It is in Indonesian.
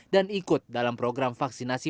dan ikut dalam program vaksinasi pembelajaran